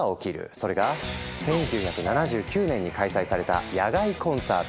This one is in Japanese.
それが１９７９年に開催された野外コンサート